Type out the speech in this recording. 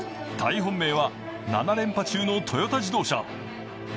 大本命は７連覇中のトヨタ自動車。